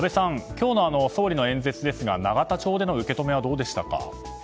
今日の総理の演説ですが永田町での受け止めはどうでしたか？